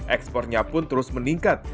ekspornya pun terus meningkat